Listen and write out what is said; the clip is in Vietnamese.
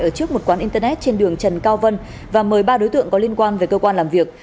ở trước một quán internet trên đường trần cao vân và mời ba đối tượng có liên quan về cơ quan làm việc